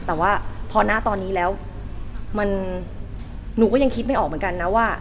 แต่ว่าพอหน้าตอนนี้แล้วมันหนูก็ยังคิดไม่ออกเหมือนกันนะว่า